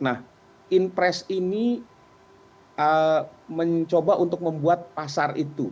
nah inpres ini mencoba untuk membuat pasar itu